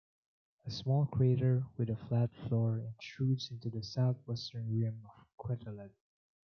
A small crater with a flat floor intrudes into the southwestern rim of Quetelet.